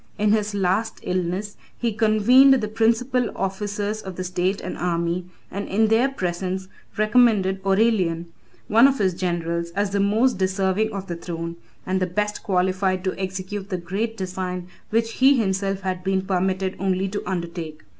In his last illness, he convened the principal officers of the state and army, and in their presence recommended Aurelian, 14 one of his generals, as the most deserving of the throne, and the best qualified to execute the great design which he himself had been permitted only to undertake.